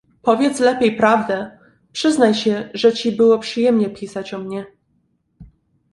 "Powiedz lepiej prawdę... Przyznaj się, że ci było przyjemnie pisać o mnie..."